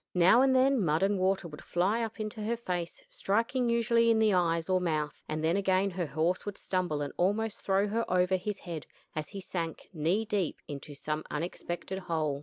Now and then mud and water would fly up into her face striking usually in the eyes or mouth and then again her horse would stumble and almost throw her over his head, as he sank, knee deep, into some unexpected hole.